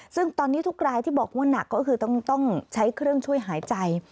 ซึ่งตอนนี้ทุกรายที่บอกว่าหนักก็คือต้องใช้เครื่องช่วยหายใจ